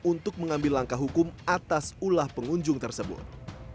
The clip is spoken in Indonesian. untuk mengambil langkah hukum atas ulah pengunjung tersebut